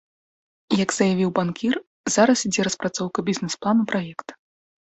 Як заявіў банкір, зараз ідзе распрацоўка бізнэс-плану праекта.